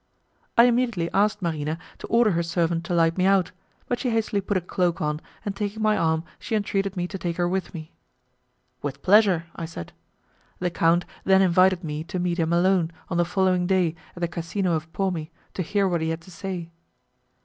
I immediately asked Marina to order her servant to light me out, but she hastily put a cloak on, and taking my arm she entreated me to take her with me. "With pleasure," I said. The count then invited me to meet him alone, on the following day, at the Casino of Pomi, to hear what he had to say.